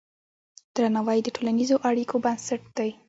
درناوی د ټولنیزو اړیکو بنسټ دی.